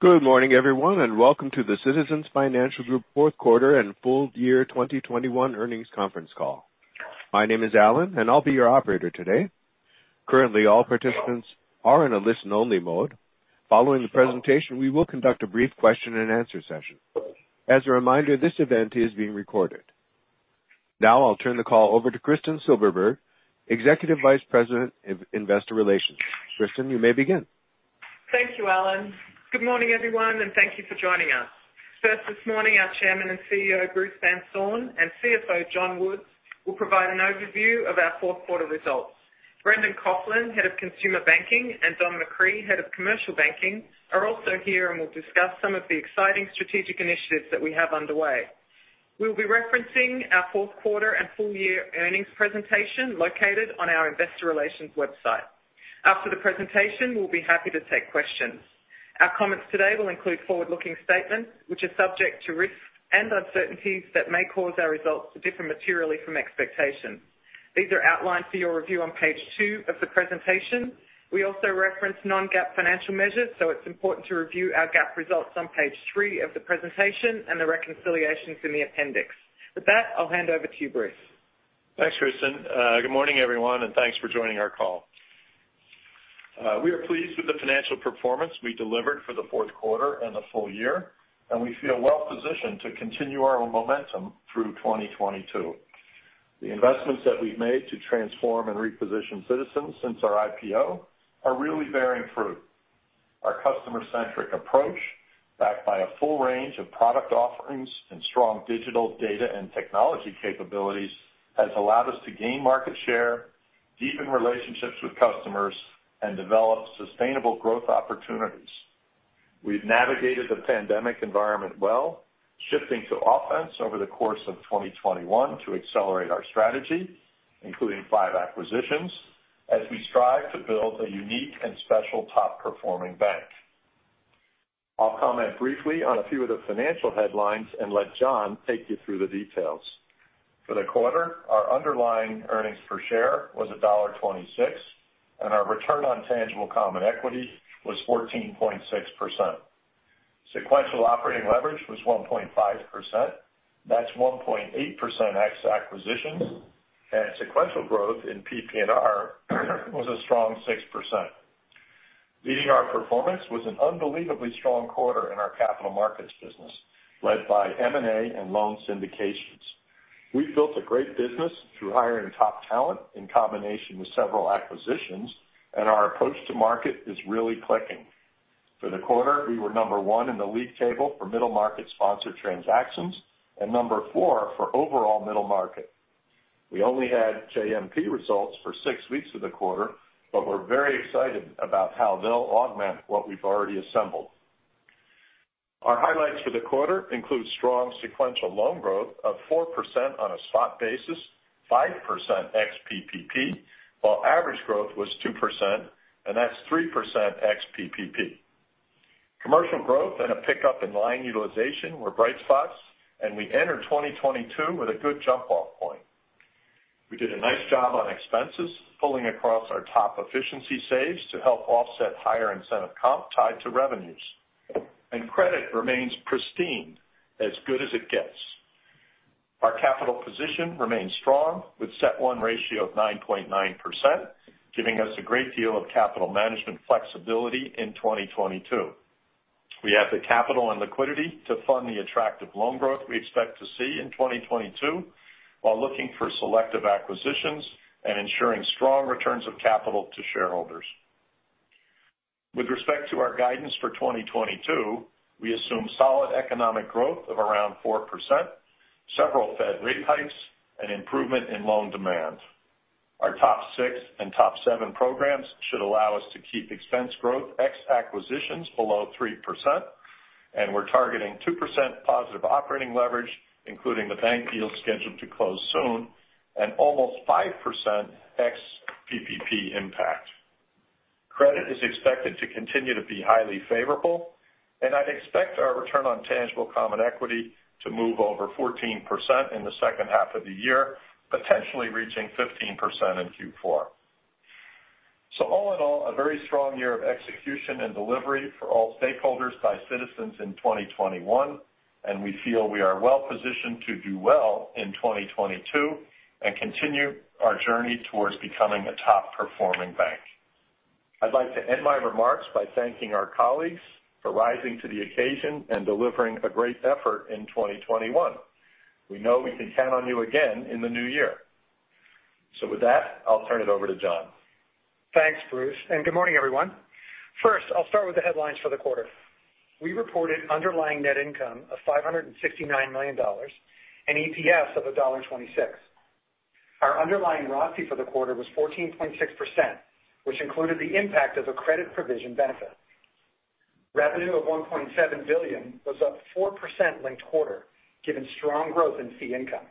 Good morning, everyone, and Welcome to the Citizens Financial Group fourth quarter and full year 2021 earnings conference call. My name is Alan, and I'll be your operator today. Currently, all participants are in a listen-only mode. Following the presentation, we will conduct a brief question and answer session. As a reminder, this event is being recorded. Now I'll turn the call over to Kristin Silberberg, Executive Vice President of Investor Relations. Kristin, you may begin. Thank you, Alan. Good morning, everyone, and thank you for joining us. First this morning, our Chairman and CEO, Bruce Van Saun, and CFO, John Woods, will provide an overview of our fourth quarter results. Brendan Coughlin, Head of Consumer Banking, and Don McCree, Head of Commercial Banking, are also here and will discuss some of the exciting strategic initiatives that we have underway. We'll be referencing our fourth quarter and full year earnings presentation located on our investor relations website. After the presentation, we'll be happy to take questions. Our comments today will include forward-looking statements which are subject to risks and uncertainties that may cause our results to differ materially from expectations. These are outlined for your review on page two of the presentation. We also reference non-GAAP financial measures, so it's important to review our GAAP results on page three of the presentation and the reconciliations in the appendix. With that, I'll hand over to you, Bruce. Thanks, Kristin. Good morning, everyone, and thanks for joining our call. We are pleased with the financial performance we delivered for the fourth quarter and the full year, and we feel well-positioned to continue our momentum through 2022. The investments that we've made to transform and reposition Citizens since our IPO are really bearing fruit. Our customer-centric approach, backed by a full range of product offerings and strong digital data and technology capabilities, has allowed us to gain market share, deepen relationships with customers, and develop sustainable growth opportunities. We've navigated the pandemic environment well, shifting to offense over the course of 2021 to accelerate our strategy, including five acquisitions, as we strive to build a unique and special top-performing bank. I'll comment briefly on a few of the financial headlines and let John take you through the details. For the quarter, our underlying earnings per share was $1.26, and our return on tangible common equity was 14.6%. Sequential operating leverage was 1.5%. That's 1.8% ex-acquisitions, and sequential growth in PPNR was a strong 6%. Leading our performance was an unbelievably strong quarter in our capital markets business, led by M&A and loan syndications. We've built a great business through hiring top talent in combination with several acquisitions, and our approach to market is really clicking. For the quarter, we were number one in the league table for middle market sponsored transactions and number four for overall middle market. We only had JMP results for six weeks of the quarter, but we're very excited about how they'll augment what we've already assembled. Our highlights for the quarter include strong sequential loan growth of 4% on a spot basis, 5% ex-PPP, while average growth was 2%, and that's 3% ex-PPP. Commercial growth and a pickup in line utilization were bright spots, and we entered 2022 with a good jump-off point. We did a nice job on expenses, pulling across our top efficiency saves to help offset higher incentive comp tied to revenues. Credit remains pristine, as good as it gets. Our capital position remains strong, with CET1 ratio of 9.9%, giving us a great deal of capital management flexibility in 2022. We have the capital and liquidity to fund the attractive loan growth we expect to see in 2022 while looking for selective acquisitions and ensuring strong returns of capital to shareholders. With respect to our guidance for 2022, we assume solid economic growth of around 4%, several Fed rate hikes, and improvement in loan demand. Our TOP VI and TOP VII programs should allow us to keep expense growth ex acquisitions below 3%, and we're targeting 2% positive operating leverage, including the bank deal scheduled to close soon and almost 5% ex-PPP impact. Credit is expected to continue to be highly favorable, and I'd expect our return on tangible common equity to move over 14% in the second half of the year, potentially reaching 15% in Q4. All in all, a very strong year of execution and delivery for all stakeholders by Citizens in 2021, and we feel we are well-positioned to do well in 2022 and continue our journey towards becoming a top-performing bank. I'd like to end my remarks by thanking our colleagues for rising to the occasion and delivering a great effort in 2021. We know we can count on you again in the new year. With that, I'll turn it over to John. Thanks, Bruce, and good morning, everyone. First, I'll start with the headlines for the quarter. We reported underlying net income of $569 million and EPS of $1.26. Our underlying ROTCE for the quarter was 14.6%, which included the impact of a credit provision benefit. Revenue of $1.7 billion was up 4% linked quarter, given strong growth in fee income.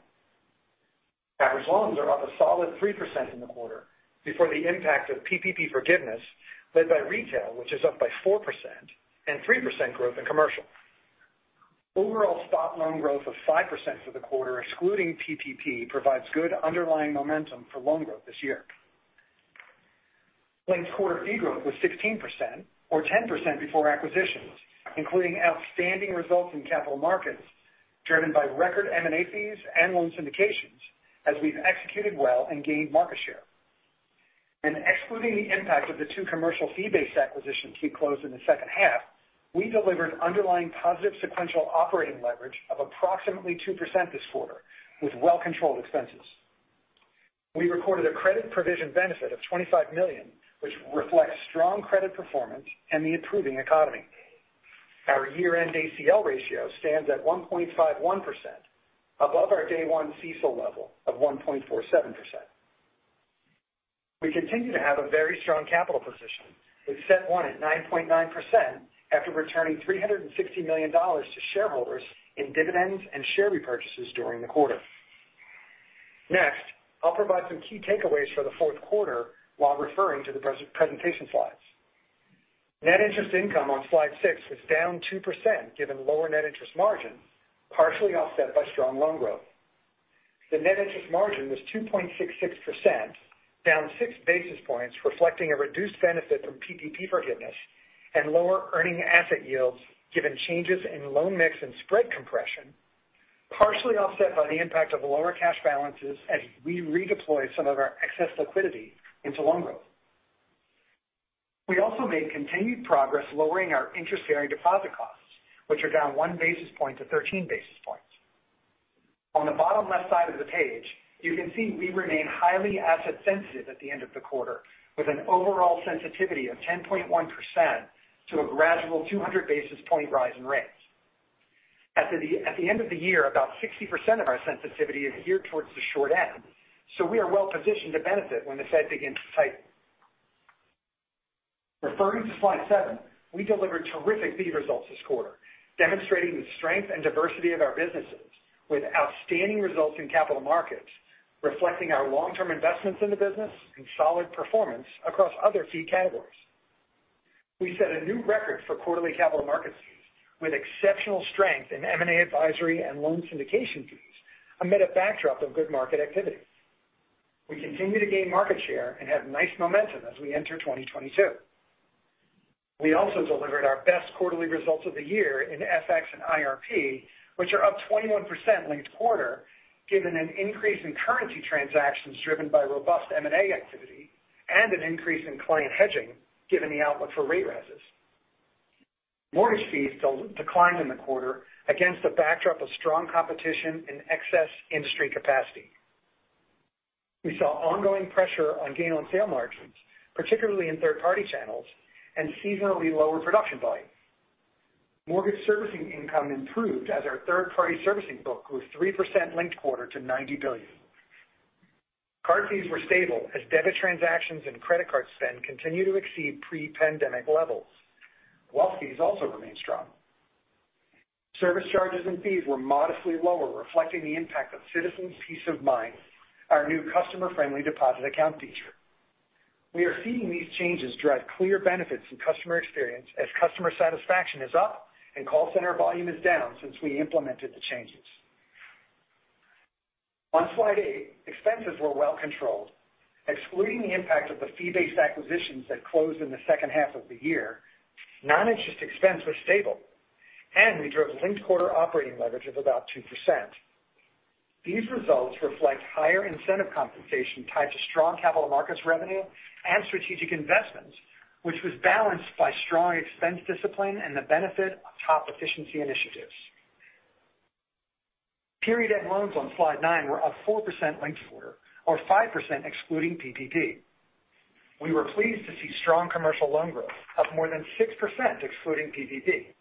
Average loans are up a solid 3% in the quarter before the impact of PPP forgiveness led by retail, which is up by 4% and 3% growth in commercial. Overall spot loan growth of 5% for the quarter, excluding PPP, provides good underlying momentum for loan growth this year. Linked quarter fee growth was 16% or 10% before acquisitions, including outstanding results in capital markets, driven by record M&A fees and loan syndications as we've executed well and gained market share. Excluding the impact of the two commercial fee-based acquisitions we closed in the second half, we delivered underlying positive sequential operating leverage of approximately 2% this quarter with well-controlled expenses. We recorded a credit provision benefit of $25 million, which reflects strong credit performance and the improving economy. Our year-end ACL ratio stands at 1.51% above our day one CECL level of 1.47%. We continue to have a very strong capital position with CET1 at 9.9% after returning $360 million to shareholders in dividends and share repurchases during the quarter. Next, I'll provide some key takeaways for the fourth quarter while referring to the presentation slides. Net interest income on slide six was down 2% given lower net interest margin, partially offset by strong loan growth. The net interest margin was 2.66%, down 6 basis points, reflecting a reduced benefit from PPP forgiveness and lower earning asset yields given changes in loan mix and spread compression, partially offset by the impact of lower cash balances as we redeployed some of our excess liquidity into loan growth. We also made continued progress lowering our interest-bearing deposit costs, which are down 1 basis point to 13 basis points. On the bottom left side of the page, you can see we remain highly asset sensitive at the end of the quarter, with an overall sensitivity of 10.1% to a gradual 200 basis point rise in rates. At the end of the year, about 60% of our sensitivity is geared towards the short end, so we are well positioned to benefit when the Fed begins to tighten. Referring to slide seven, we delivered terrific fee results this quarter, demonstrating the strength and diversity of our businesses with outstanding results in capital markets, reflecting our long-term investments in the business and solid performance across other fee categories. We set a new record for quarterly capital markets fees with exceptional strength in M&A advisory and loan syndication fees amid a backdrop of good market activity. We continue to gain market share and have nice momentum as we enter 2022. We also delivered our best quarterly results of the year in FX and IRP, which are up 21% linked quarter, given an increase in currency transactions driven by robust M&A activity and an increase in client hedging given the outlook for rate raises. Mortgage fees declined in the quarter against a backdrop of strong competition and excess industry capacity. We saw ongoing pressure on gain on sale margins, particularly in third-party channels and seasonally lower production volume. Mortgage servicing income improved as our third-party servicing book grew 3% linked quarter to $90 billion. Card fees were stable as debit transactions and credit card spend continue to exceed pre-pandemic levels. Wealth fees also remained strong. Service charges and fees were modestly lower, reflecting the impact of Citizens Peace of Mind, our new customer-friendly deposit account feature. We are seeing these changes drive clear benefits in customer experience as customer satisfaction is up and call center volume is down since we implemented the changes. On slide eight, expenses were well controlled. Excluding the impact of the fee-based acquisitions that closed in the second half of the year, non-interest expense was stable, and we drove linked-quarter operating leverage of about 2%. These results reflect higher incentive compensation tied to strong capital markets revenue and strategic investments, which was balanced by strong expense discipline and the benefit of top efficiency initiatives. Period-end loans on slide 9 were up 4% linked-quarter or 5% excluding PPP. We were pleased to see strong commercial loan growth up more than 6% excluding PPP.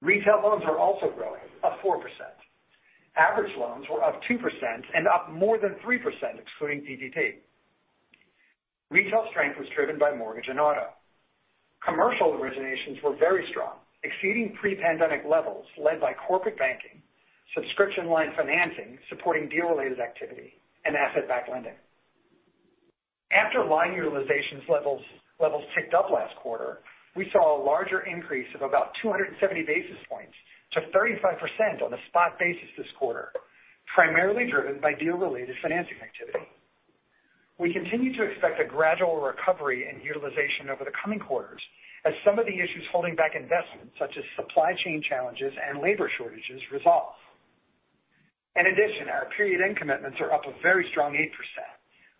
Retail loans are also growing up 4%. Average loans were up 2% and up more than 3% excluding PPP. Retail strength was driven by mortgage and auto. Commercial originations were very strong, exceeding pre-pandemic levels led by corporate banking, subscription line financing, supporting deal-related activity and asset-backed lending. After line utilization levels ticked up last quarter, we saw a larger increase of about 270 basis points to 35% on a spot basis this quarter, primarily driven by deal-related financing activity. We continue to expect a gradual recovery in utilization over the coming quarters as some of the issues holding back investments such as supply chain challenges and labor shortages resolve. In addition, our period end commitments are up a very strong 8%,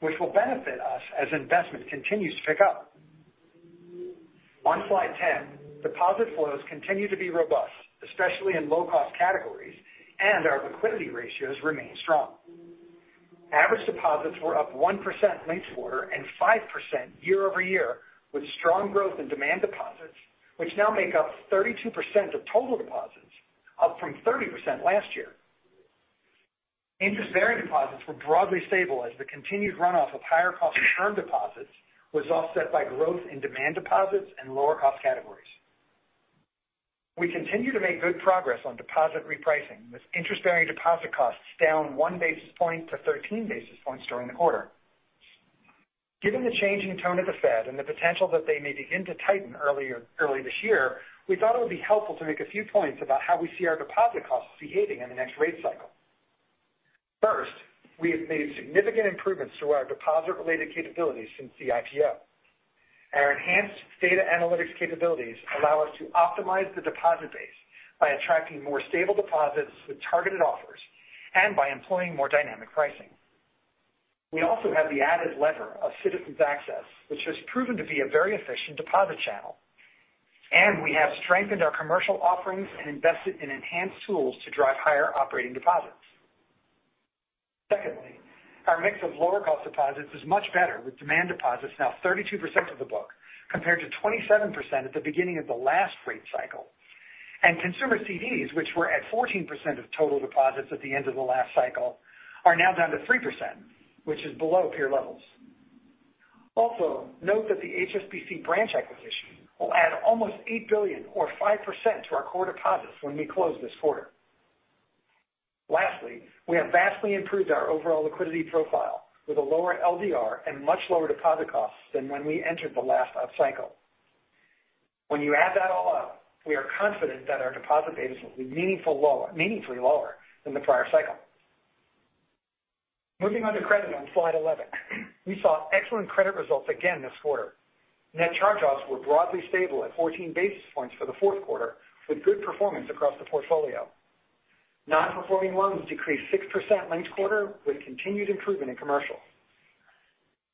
which will benefit us as investment continues to pick up. On slide 10, deposit flows continue to be robust, especially in low-cost categories, and our liquidity ratios remain strong. Average deposits were up 1% linked quarter and 5% year-over-year, with strong growth in demand deposits, which now make up 32% of total deposits, up from 30% last year. Interest-bearing deposits were broadly stable as the continued runoff of higher cost term deposits was offset by growth in demand deposits and lower cost categories. We continue to make good progress on deposit repricing, with interest-bearing deposit costs down 1 basis point to 13 basis points during the quarter. Given the changing tone of the Fed and the potential that they may begin to tighten earlier, early this year, we thought it would be helpful to make a few points about how we see our deposit costs behaving in the next rate cycle. First, we have made significant improvements to our deposit-related capabilities since the IPO. Our enhanced data analytics capabilities allow us to optimize the deposit base by attracting more stable deposits with targeted offers and by employing more dynamic pricing. We also have the added lever of Citizens Access, which has proven to be a very efficient deposit channel. We have strengthened our commercial offerings and invested in enhanced tools to drive higher operating deposits. Secondly, our mix of lower cost deposits is much better with demand deposits now 32% of the book compared to 27% at the beginning of the last rate cycle. Consumer CDs, which were at 14% of total deposits at the end of the last cycle, are now down to 3%, which is below peer levels. Also, note that the HSBC branch acquisition will add almost $8 billion or 5% to our core deposits when we close this quarter. Lastly, we have vastly improved our overall liquidity profile with a lower LDR and much lower deposit costs than when we entered the last up cycle. When you add that all up, we are confident that our deposit base will be meaningfully lower than the prior cycle. Moving on to credit on slide 11. We saw excellent credit results again this quarter. Net charge-offs were broadly stable at 14 basis points for the fourth quarter, with good performance across the portfolio. Nonperforming loans decreased 6% linked quarter with continued improvement in commercial.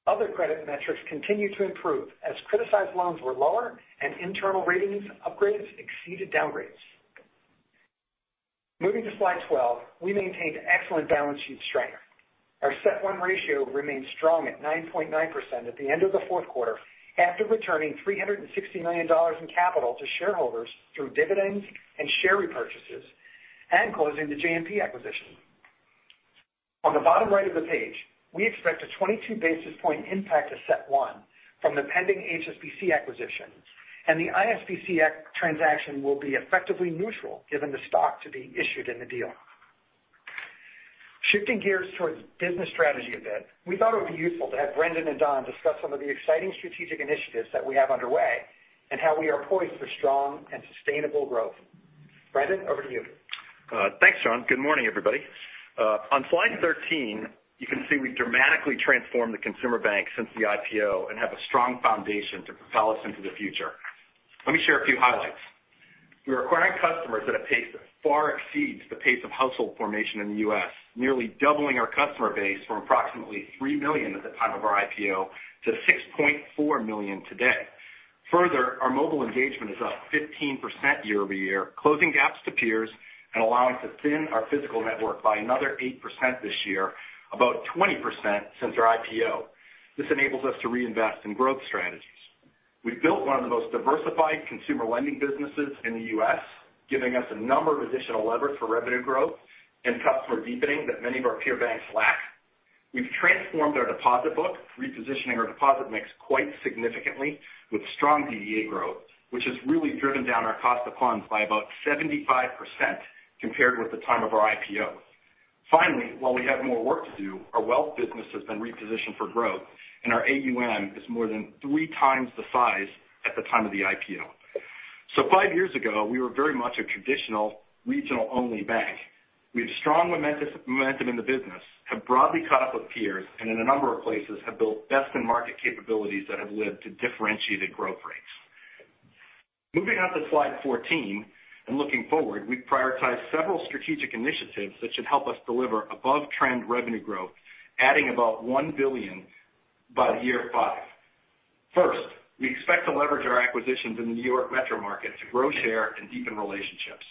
Other credit metrics continued to improve as criticized loans were lower and internal ratings upgrades exceeded downgrades. Moving to slide 12, we maintained excellent balance sheet strength. Our CET1 ratio remains strong at 9.9% at the end of the fourth quarter after returning $360 million in capital to shareholders through dividends and share repurchases and closing the JMP acquisition. On the bottom right of the page, we expect a 22 basis point impact to CET1 from the pending HSBC acquisition, and the ISBC transaction will be effectively neutral given the stock to be issued in the deal. Shifting gears towards business strategy a bit, we thought it would be useful to have Brendan and Don discuss some of the exciting strategic initiatives that we have underway and how we are poised for strong and sustainable growth. Brendan, over to you. Thanks, John. Good morning, everybody. On slide 13, you can see we dramatically transformed the consumer bank since the IPO and have a strong foundation to propel us into the future. Let me share a few highlights. We're acquiring customers at a pace that far exceeds the pace of household formation in the U.S., nearly doubling our customer base from approximately 3 million at the time of our IPO to 6.4 million today. Further, our mobile engagement is up 15% year-over-year, closing gaps to peers and allowing to thin our physical network by another 8% this year, about 20% since our IPO. This enables us to reinvest in growth strategies. We've built one of the most diversified consumer lending businesses in the U.S., giving us a number of additional levers for revenue growth and customer deepening that many of our peer banks lack. We've transformed our deposit book, repositioning our deposit mix quite significantly with strong DDA growth, which has really driven down our cost of funds by about 75% compared with the time of our IPO. Finally, while we have more work to do, our wealth business has been repositioned for growth, and our AUM is more than three times the size at the time of the IPO. Five years ago, we were very much a traditional regional-only bank. We have strong momentum in the business, have broadly caught up with peers, and in a number of places have built best-in-market capabilities that have led to differentiated growth rates. Moving on to slide 14 and looking forward, we've prioritized several strategic initiatives that should help us deliver above-trend revenue growth, adding about $1 billion by year five. First, we expect to leverage our acquisitions in the New York metro market to grow share and deepen relationships.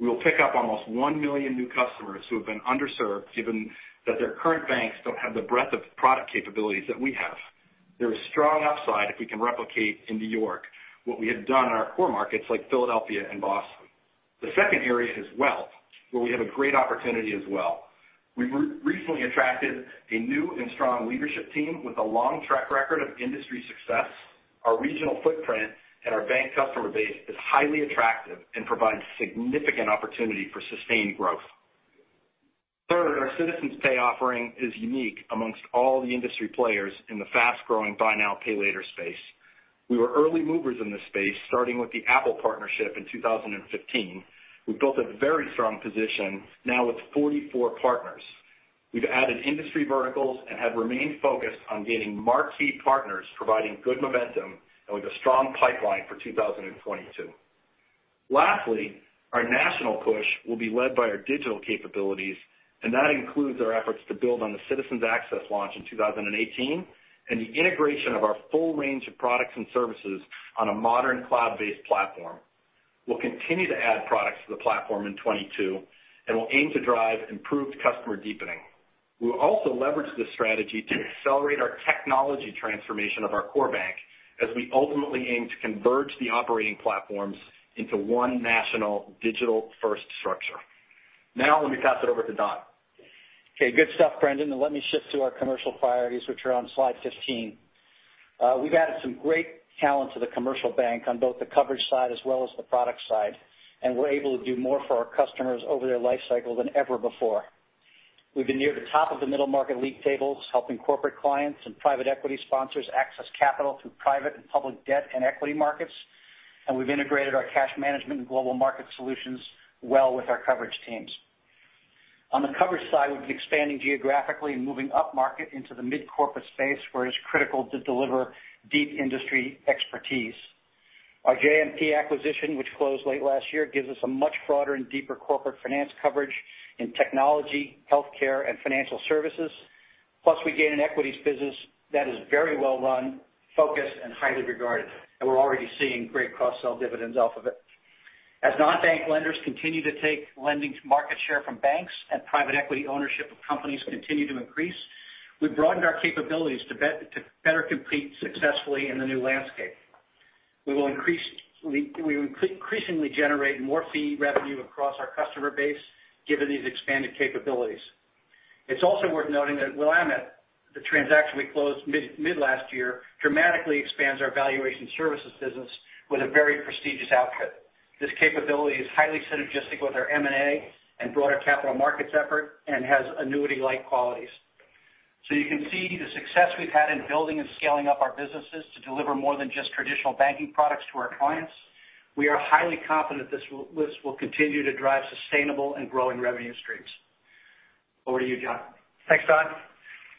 We will pick up almost 1 million new customers who have been underserved, given that their current banks don't have the breadth of product capabilities that we have. There is strong upside if we can replicate in New York what we have done in our core markets like Philadelphia and Boston. The second area is wealth, where we have a great opportunity as well. We recently attracted a new and strong leadership team with a long track record of industry success. Our regional footprint and our bank customer base is highly attractive and provides significant opportunity for sustained growth. Third, our Citizens Pay offering is unique among all the industry players in the fast-growing buy now, pay later space. We were early movers in this space, starting with the Apple partnership in 2015. We've built a very strong position now with 44 partners. We've added industry verticals and have remained focused on gaining marquee partners, providing good momentum and with a strong pipeline for 2022. Lastly, our national push will be led by our digital capabilities, and that includes our efforts to build on the Citizens Access launch in 2018 and the integration of our full range of products and services on a modern cloud-based platform. We'll continue to add products to the platform in 2022, and we'll aim to drive improved customer deepening. We'll also leverage this strategy to accelerate our technology transformation of our core bank as we ultimately aim to converge the operating platforms into one national digital-first structure. Now, let me pass it over to Don. Okay, good stuff, Brendan. Let me shift to our commercial priorities, which are on slide 15. We've added some great talent to the commercial bank on both the coverage side as well as the product side, and we're able to do more for our customers over their life cycle than ever before. We've been near the top of the middle market league tables, helping corporate clients and private equity sponsors access capital through private and public debt and equity markets. We've integrated our cash management and global market solutions well with our coverage teams. On the coverage side, we've been expanding geographically and moving upmarket into the mid-corporate space where it's critical to deliver deep industry expertise. Our JMP acquisition, which closed late last year, gives us a much broader and deeper corporate finance coverage in technology, health care, and financial services. Plus, we gain an equities business that is very well run, focused, and highly regarded, and we're already seeing great cross-sell dividends off of it. As non-bank lenders continue to take lending market share from banks and private equity ownership of companies continue to increase, we've broadened our capabilities to better compete successfully in the new landscape. We increasingly generate more fee revenue across our customer base given these expanded capabilities. It's also worth noting that Willamette, the transaction we closed mid last year, dramatically expands our valuation services business with a very prestigious outfit. This capability is highly synergistic with our M&A and broader capital markets effort and has annuity-like qualities. You can see the success we've had in building and scaling up our businesses to deliver more than just traditional banking products to our clients. We are highly confident this will continue to drive sustainable and growing revenue streams. Over to you, John. Thanks, Don.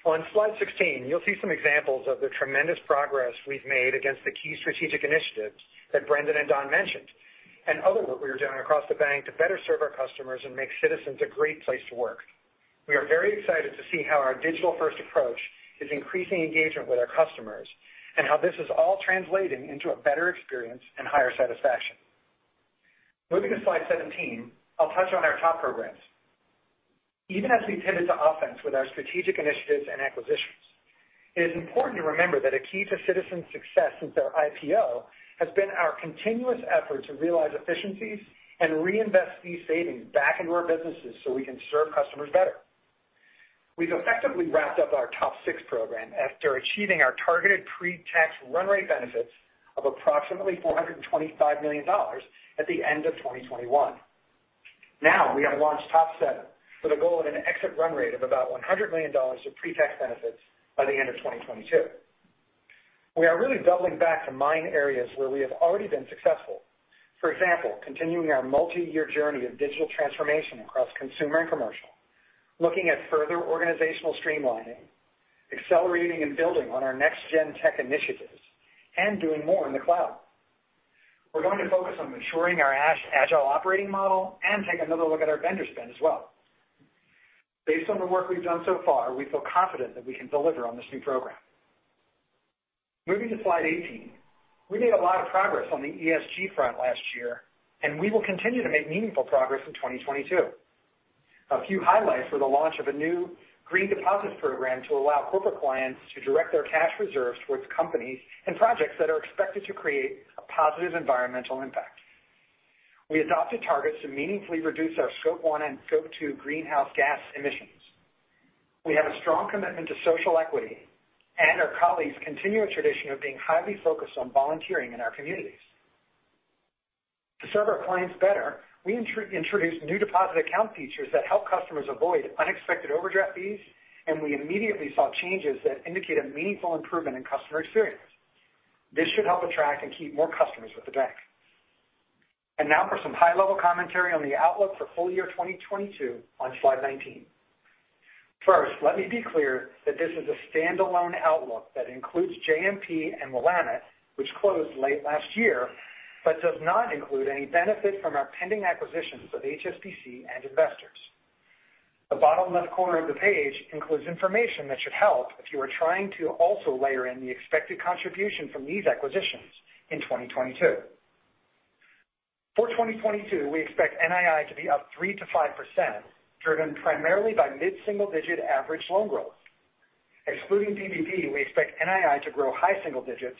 On slide 16, you'll see some examples of the tremendous progress we've made against the key strategic initiatives that Brendan and Don mentioned, and other work we are doing across the bank to better serve our customers and make Citizens a great place to work. We are very excited to see how our digital-first approach is increasing engagement with our customers and how this is all translating into a better experience and higher satisfaction. Moving to slide 17, I'll touch on our top programs. Even as we pivot to offense with our strategic initiatives and acquisitions, it is important to remember that a key to Citizens' success since our IPO has been our continuous effort to realize efficiencies and reinvest these savings back into our businesses so we can serve customers better. We've effectively wrapped up our TOP VI program after achieving our targeted pre-tax run rate benefits of approximately $425 million at the end of 2021. Now we have launched TOP VII with a goal of an exit run rate of about $100 million of pre-tax benefits by the end of 2022. We are really doubling back to mine areas where we have already been successful. For example, continuing our multi-year journey of digital transformation across consumer and commercial, looking at further organizational streamlining, accelerating and building on our next-gen tech initiatives, and doing more in the cloud. We're going to focus on maturing our SAFe-Agile operating model and take another look at our vendor spend as well. Based on the work we've done so far, we feel confident that we can deliver on this new program. Moving to slide 18. We made a lot of progress on the ESG front last year, and we will continue to make meaningful progress in 2022. A few highlights were the launch of a new green deposits program to allow corporate clients to direct their cash reserves towards companies and projects that are expected to create a positive environmental impact. We adopted targets to meaningfully reduce our Scope 1 and Scope 2 greenhouse gas emissions. We have a strong commitment to social equity, and our colleagues continue a tradition of being highly focused on volunteering in our communities. To serve our clients better, we introduced new deposit account features that help customers avoid unexpected overdraft fees, and we immediately saw changes that indicate a meaningful improvement in customer experience. This should help attract and keep more customers with the bank. Now for some high-level commentary on the outlook for full year 2022 on slide 19. First, let me be clear that this is a standalone outlook that includes JMP and Willamette, which closed late last year, but does not include any benefit from our pending acquisitions of HSBC and Investors. The bottom left corner of the page includes information that should help if you are trying to also layer in the expected contribution from these acquisitions in 2022. For 2022, we expect NII to be up 3%-5%, driven primarily by mid-single-digit average loan growth. Excluding PPP, we expect NII to grow high single digits,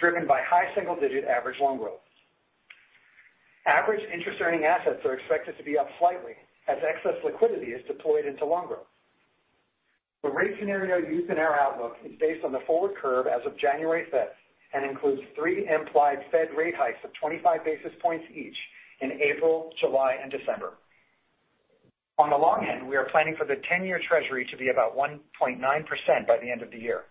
driven by high single-digit average loan growth. Average interest earning assets are expected to be up slightly as excess liquidity is deployed into loan growth. The rate scenario used in our outlook is based on the forward curve as of January fifth and includes three implied Fed rate hikes of 25 basis points each in April, July, and December. On the long end, we are planning for the ten-year Treasury to be about 1.9% by the end of the year.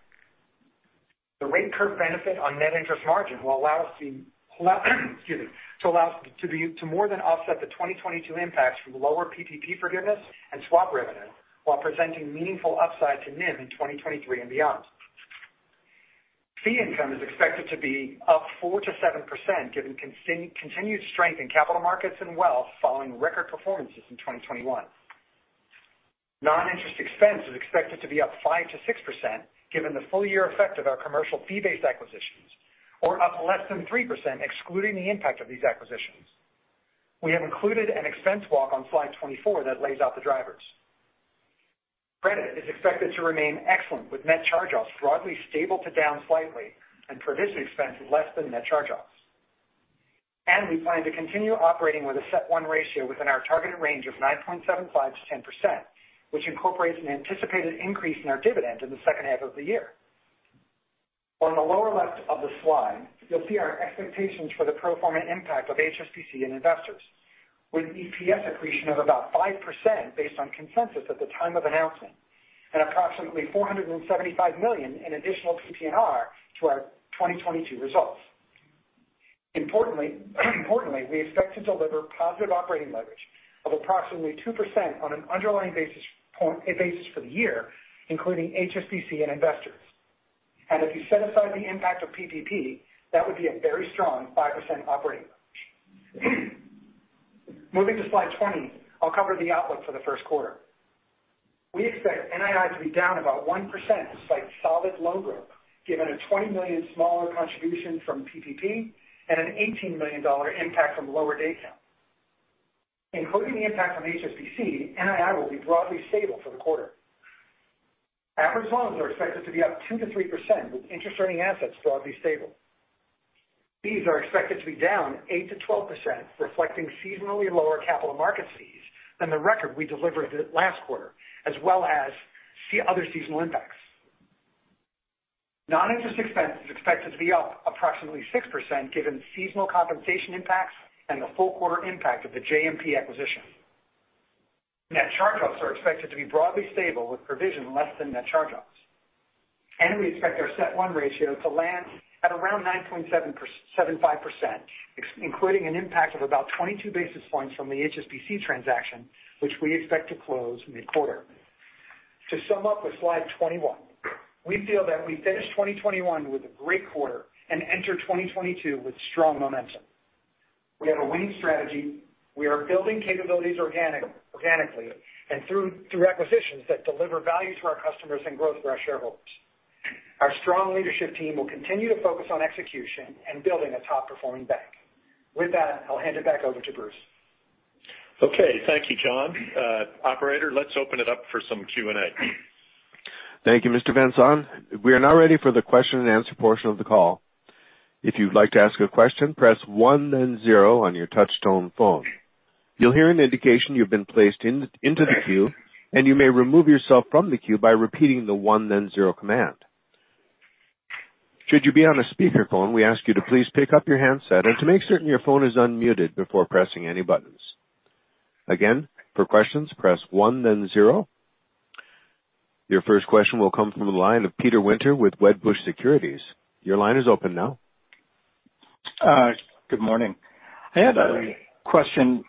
The rate curve benefit on net interest margin will allow us to more than offset the 2022 impacts from lower PPP forgiveness and swap revenue while presenting meaningful upside to NIM in 2023 and beyond. Fee income is expected to be up 4%-7% given continued strength in capital markets and wealth following record performances in 2021. Non-interest expense is expected to be up 5%-6% given the full year effect of our commercial fee-based acquisitions, or up less than 3% excluding the impact of these acquisitions. We have included an expense walk on slide 24 that lays out the drivers. Credit is expected to remain excellent, with net charge-offs broadly stable to down slightly and provision expense less than net charge-offs. We plan to continue operating with a CET1 ratio within our targeted range of 9.75%-10%, which incorporates an anticipated increase in our dividend in the second half of the year. On the lower left of the slide, you'll see our expectations for the pro forma impact of HSBC and Investors with EPS accretion of about 5% based on consensus at the time of announcement and approximately $475 million in additional PPNR to our 2022 results. Importantly, we expect to deliver positive operating leverage of approximately 2% on an underlying basis for the year, including HSBC and Investors. If you set aside the impact of PPP, that would be a very strong 5% operating leverage. Moving to slide 20, I'll cover the outlook for the first quarter. We expect NII to be down about 1% despite solid loan growth, given a $20 million smaller contribution from PPP and an $18 million impact from lower day count. Including the impact from HSBC, NII will be broadly stable for the quarter. Average loans are expected to be up 2%-3% with interest-earning assets broadly stable. Fees are expected to be down 8%-12%, reflecting seasonally lower capital markets fees than the record we delivered last quarter as well as other seasonal impacts. Non-interest expense is expected to be up approximately 6% given seasonal compensation impacts and the full quarter impact of the JMP acquisition. Net charge-offs are expected to be broadly stable with provision less than net charge-offs. We expect our CET1 ratio to land at around 9.75%, excluding an impact of about 22 basis points from the HSBC transaction, which we expect to close mid-quarter. To sum up with slide 21, we feel that we finished 2021 with a great quarter and enter 2022 with strong momentum. We have a winning strategy. We are building capabilities organically and through acquisitions that deliver value to our customers and growth for our shareholders. Our strong leadership team will continue to focus on execution and building a top-performing bank. With that, I'll hand it back over to Bruce. Okay. Thank you, John. Operator, let's open it up for some Q&A. Thank you, Mr. Van Saun. We are now ready for the question-and-answer portion of the call. If you'd like to ask a question, press one then zero on your touchtone phone. You'll hear an indication you've been placed into the queue, and you may remove yourself from the queue by repeating the one then zero command. Should you be on a speakerphone, we ask you to please pick up your handset and to make certain your phone is unmuted before pressing any buttons. Again, for questions press one then zero. Your first question will come from the line of Peter Winter with Wedbush Securities. Your line is open now. Good morning. I had a question.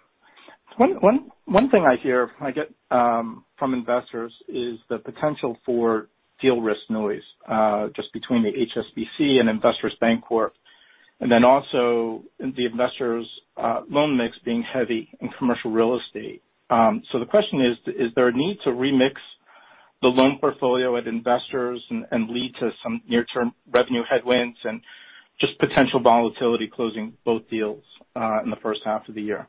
One thing I hear I get from investors is the potential for deal risk noise just between the HSBC and Investors Bancorp. Also the Investors loan mix being heavy in commercial real estate. The question is. Is there a need to remix the loan portfolio at Investors and lead to some near-term revenue headwinds and just potential volatility closing both deals in the first half of the year?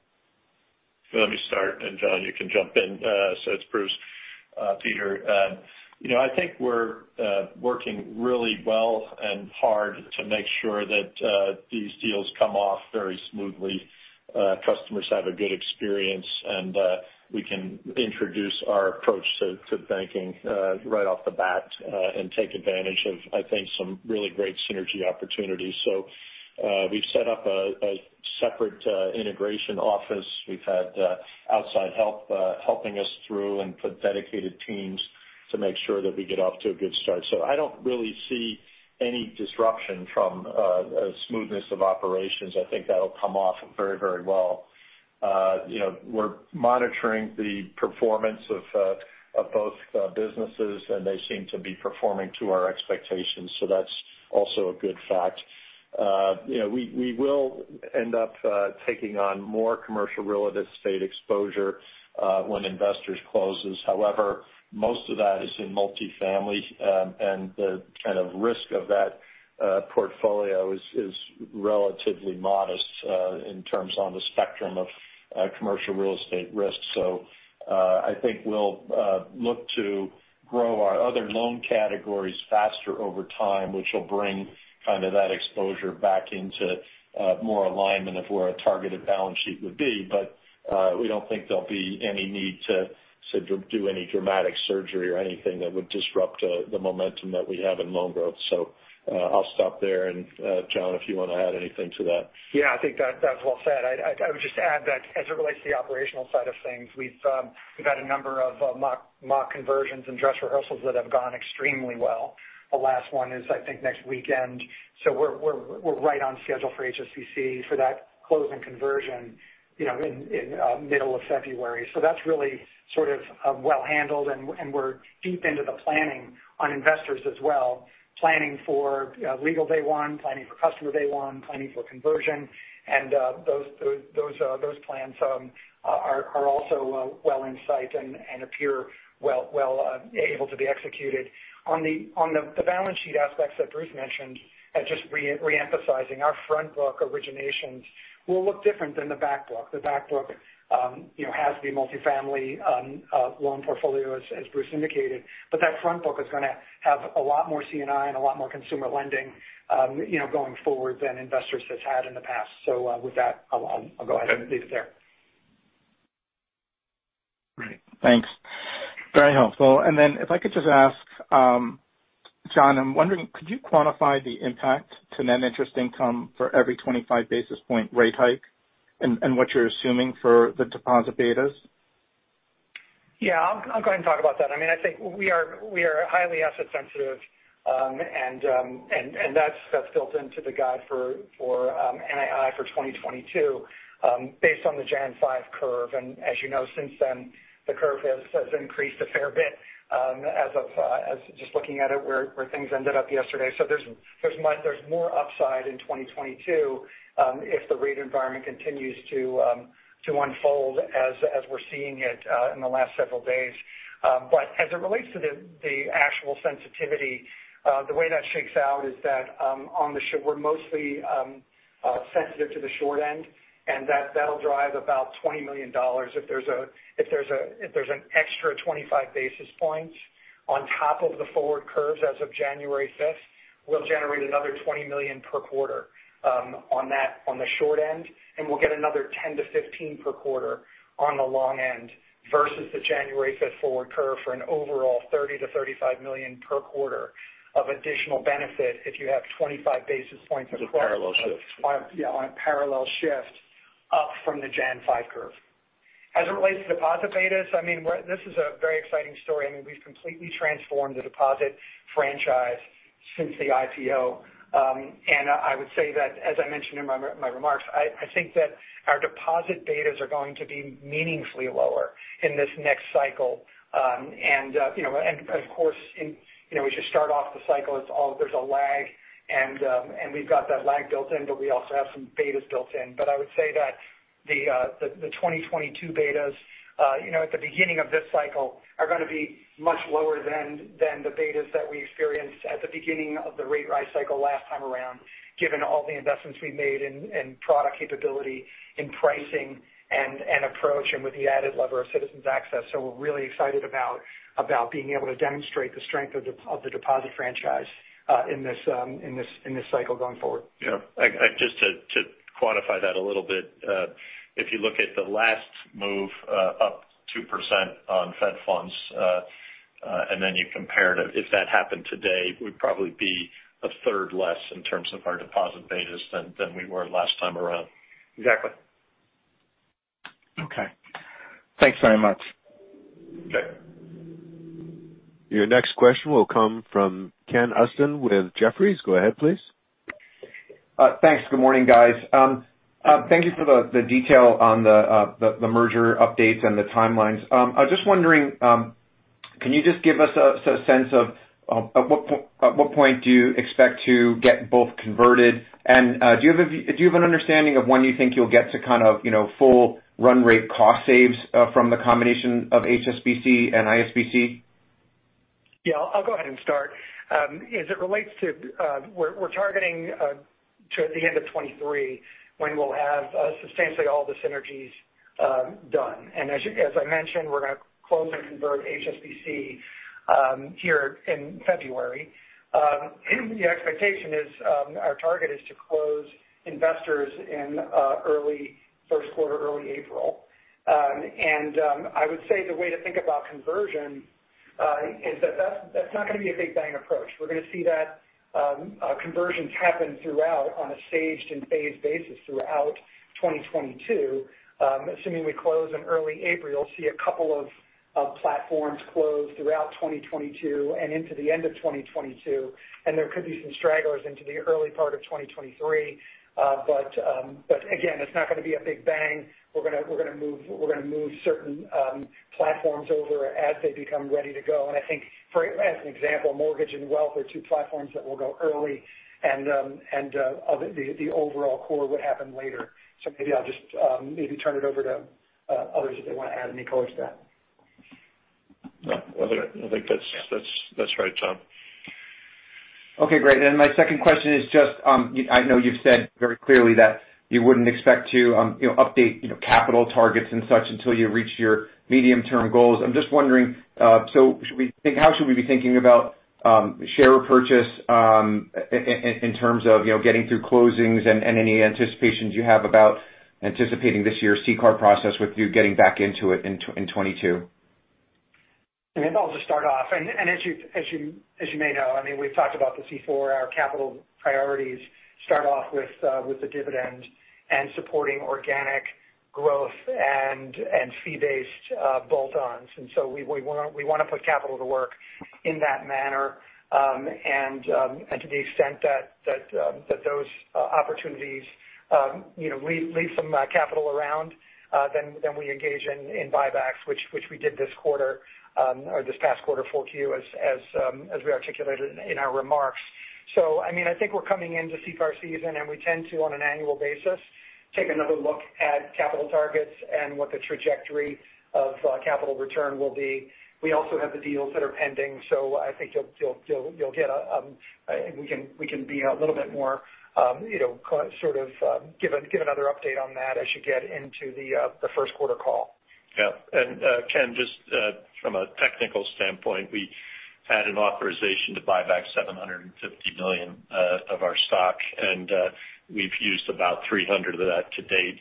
Let me start, and John, you can jump in. It's Bruce. Peter, you know, I think we're working really well and hard to make sure that these deals come off very smoothly, customers have a good experience, and we can introduce our approach to banking right off the bat, and take advantage of, I think, some really great synergy opportunities. We've set up a separate integration office. We've had outside help helping us through and put dedicated teams to make sure that we get off to a good start. I don't really see any disruption from smoothness of operations. I think that'll come off very, very well. You know, we're monitoring the performance of both businesses, and they seem to be performing to our expectations. That's also a good fact. You know, we will end up taking on more commercial real estate exposure when Investors closes. However, most of that is in multifamily. The kind of risk of that portfolio is relatively modest in terms of the spectrum of commercial real estate risk. I think we'll look to grow our other loan categories faster over time, which will bring kind of that exposure back into more alignment with where a targeted balance sheet would be. But we don't think there'll be any need to do any dramatic surgery or anything that would disrupt the momentum that we have in loan growth. I'll stop there. John, if you want to add anything to that. Yeah, I think that's well said. I'd just add that as it relates to the operational side of things, we've had a number of mock conversions and dress rehearsals that have gone extremely well. The last one is I think next weekend. We're right on schedule for HSBC for that close and conversion, you know, in middle of February. That's really sort of well handled, and we're deep into the planning on Investors as well, planning for legal day one, planning for customer day one, planning for conversion. Those plans are also well in sight and appear well able to be executed. On the balance sheet aspects that Bruce mentioned, and just re-emphasizing, our front book originations will look different than the back book. The back book has the multifamily loan portfolio as Bruce indicated. That front book is gonna have a lot more C&I and a lot more consumer lending going forward than Investors has had in the past. With that, I'll go ahead and leave it there. Thanks. Very helpful. Then if I could just ask, John, I'm wondering, could you quantify the impact to net interest income for every 25 basis point rate hike and what you're assuming for the deposit betas? Yeah, I'll go ahead and talk about that. I mean, I think we are highly asset sensitive, and that's built into the guide for NII for 2022, based on the [Gen AI] curve. As you know, since then, the curve has increased a fair bit, as of just looking at it where things ended up yesterday. There's more upside in 2022, if the rate environment continues to unfold as we're seeing it in the last several days. But as it relates to the actual sensitivity, the way that shakes out is that we're mostly sensitive to the short end, and that'll drive about $20 million. If there's an extra 25 basis points on top of the forward curves as of January 5th, we'll generate another $20 million per quarter on that, on the short end, and we'll get another $10 million-$15 million per quarter on the long end versus the January 5th forward curve for an overall $30 million-$35 million per quarter of additional benefit if you have 25 basis points across- It's a parallel shift. Yeah, on a parallel shift up from the [Gen AI] curve. As it relates to deposit betas, I mean, this is a very exciting story. I mean, we've completely transformed the deposit franchise since the IPO. I would say that, as I mentioned in my remarks, I think that our deposit betas are going to be meaningfully lower in this next cycle. You know, we should start off the cycle. There's a lag and we've got that lag built in, but we also have some betas built in. I would say that the 2022 betas, you know, at the beginning of this cycle are gonna be much lower than the betas that we experienced at the beginning of the rate rise cycle last time around, given all the investments we made in product capability, in pricing and approach and with the added lever of Citizens Access. We're really excited about being able to demonstrate the strength of the deposit franchise in this cycle going forward. Yeah. I just to quantify that a little bit, if you look at the last move up 2% on Fed funds, and then you compared it, if that happened today, we'd probably be a third less in terms of our deposit betas than we were last time around. Exactly. Okay. Thanks very much. Okay. Your next question will come from Ken Usdin with Jefferies. Go ahead, please. Thanks. Good morning, guys. Thank you for the detail on the merger updates and the timelines. I was just wondering, can you just give us a sense of at what point do you expect to get both converted? Do you have an understanding of when you think you'll get to kind of, you know, full run rate cost saves from the combination of HSBC and ISBC? Yeah, I'll go ahead and start. As it relates to, we're targeting to the end of 2023 when we'll have substantially all the synergies done. As I mentioned, we're gonna close and convert HSBC here in February. The expectation is, our target is to close Investors in early first quarter, early April. I would say the way to think about conversion is that that's not gonna be a big bang approach. We're gonna see that conversions happen throughout on a staged and phased basis throughout 2022. Assuming we close in early April, see a couple of platforms close throughout 2022 and into the end of 2022, there could be some stragglers into the early part of 2023. Again, it's not gonna be a big bang. We're gonna move certain platforms over as they become ready to go. I think for example, Mortgage and Wealth are two platforms that will go early and the overall core would happen later. Maybe I'll just turn it over to others if they want to add any color to that. No. I think that's right, John. Okay, great. My second question is just, I know you've said very clearly that you wouldn't expect to, you know, update, you know, capital targets and such until you reach your medium-term goals. I'm just wondering, so, how should we be thinking about share purchase in terms of, you know, getting through closings and any anticipations you have about anticipating this year's CCAR process with you getting back into it in 2022? I mean, I'll just start off. As you may know, I mean, we've talked about the CET1. Our capital priorities start off with the dividend and supporting organic growth and fee-based bolt-ons. We wanna put capital to work in that manner. To the extent that those opportunities you know leave some capital around, then we engage in buybacks, which we did this quarter or this past quarter full Q as we articulated in our remarks. I mean, I think we're coming into CCAR season, and we tend to on an annual basis take another look at capital targets and what the trajectory of capital return will be. We also have the deals that are pending. I think you'll get we can be a little bit more, you know, sort of give another update on that as you get into the first quarter call. Yeah. Ken, just from a technical standpoint, we had an authorization to buy back $750 million of our stock. We've used about $300 million of that to date.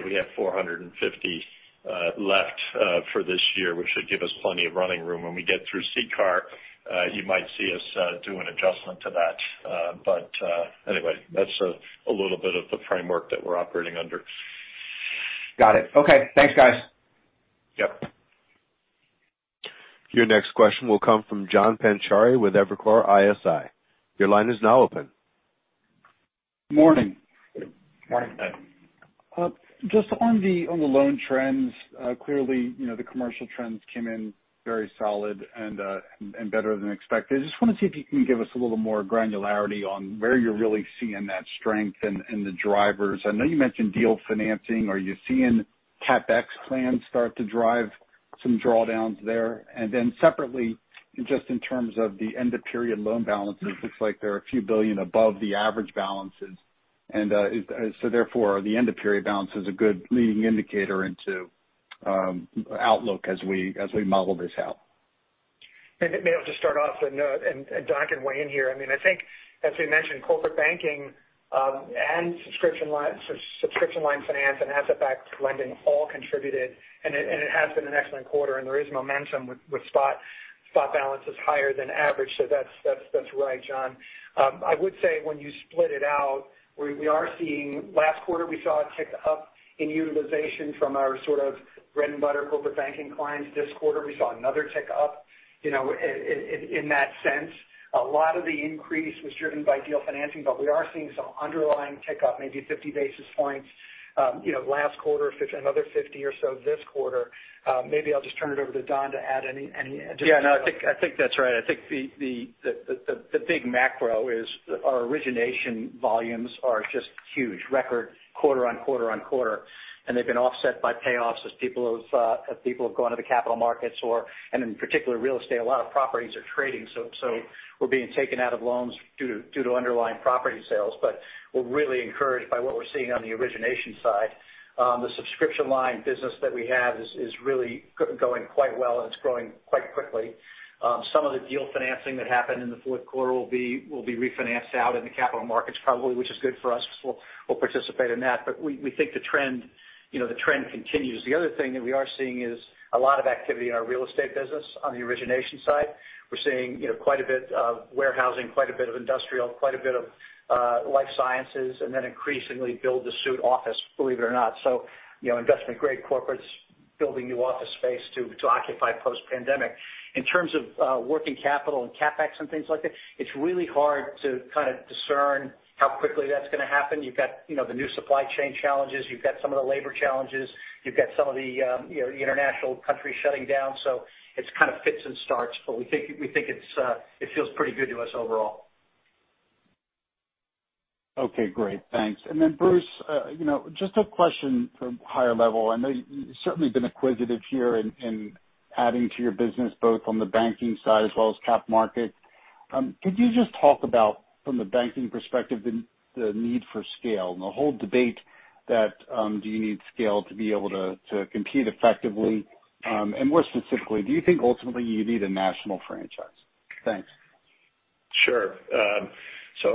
So we have $450 million left for this year, which should give us plenty of running room. When we get through CCAR, you might see us do an adjustment to that. Anyway, that's a little bit of the framework that we're operating under. Got it. Okay. Thanks, guys. Yep. Your next question will come from John Pancari with Evercore ISI. Your line is now open. Morning. Morning. Just on the loan trends, clearly, you know, the commercial trends came in very solid and better than expected. I just want to see if you can give us a little more granularity on where you're really seeing that strength and the drivers. I know you mentioned deal financing. Are you seeing CapEx plans start to drive some drawdowns there? Separately, just in terms of the end-of-period loan balances, it looks like there are a few billion above the average balances. Are the end-of-period balances a good leading indicator into the outlook as we model this out. Maybe I'll just start off and Don can weigh in here. I mean, I think as we mentioned, corporate banking and subscription line finance and asset-backed lending all contributed. It has been an excellent quarter, and there is momentum with spot balances higher than average. That's right, John. I would say when you split it out, we are seeing last quarter, we saw a tick up in utilization from our sort of bread and butter corporate banking clients. This quarter we saw another tick up, you know, in that sense. A lot of the increase was driven by deal financing, but we are seeing some underlying tick up, maybe 50 basis points, you know, last quarter, another 50 or so this quarter. Maybe I'll just turn it over to Don to add any additional. Yeah, no, I think that's right. I think the big macro is our origination volumes are just huge. Record quarter on quarter on quarter. They've been offset by payoffs as people have gone to the capital markets or and in particular real estate, a lot of properties are trading, so we're being taken out of loans due to underlying property sales. We're really encouraged by what we're seeing on the origination side. The subscription line business that we have is really going quite well, and it's growing quite quickly. Some of the deal financing that happened in the fourth quarter will be refinanced out in the capital markets probably, which is good for us 'cause we'll participate in that. We think the trend, you know, the trend continues. The other thing that we are seeing is a lot of activity in our real estate business on the origination side. We're seeing, you know, quite a bit of warehousing, quite a bit of industrial, quite a bit of life sciences, and then increasingly build to suit office, believe it or not. You know, investment grade corporates building new office space to occupy post-pandemic. In terms of working capital and CapEx and things like that, it's really hard to kind of discern how quickly that's gonna happen. You've got, you know, the new supply chain challenges. You've got some of the labor challenges. You've got some of the, you know, international countries shutting down. It's kind of fits and starts, but we think it feels pretty good to us overall. Okay. Great. Thanks. Bruce, you know, just a question from higher level. I know you've certainly been acquisitive here in adding to your business, both on the banking side as well as capital markets. Could you just talk about from the banking perspective the need for scale and the whole debate that do you need scale to be able to compete effectively? More specifically, do you think ultimately you need a national franchise? Thanks. Sure.